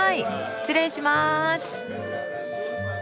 失礼します。